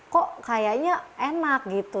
kok kayaknya enak gitu